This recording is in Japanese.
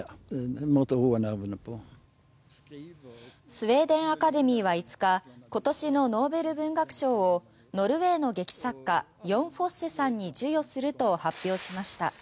スウェーデン・アカデミーは５日、今年のノーベル文学賞をノルウェーの劇作家ヨン・フォッセさんに授与すると発表しました。